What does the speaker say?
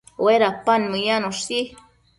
Uedapan meyanoshi